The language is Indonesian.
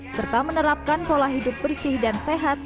serta menerapkan pola hidup bersih dan sehat